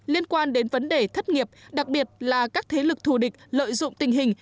liên quan đến vấn đề thất nghiệp đặc biệt là các thế lực thù địch lợi dụng tình hình